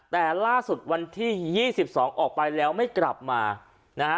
แต่ล่าสุดวันที่๒๒ออกไปแล้วไม่กลับมานะฮะ